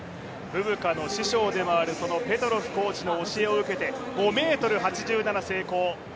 ブブカの師匠でもあるペトロスコーチの教えを受けて５ｍ５７、成功。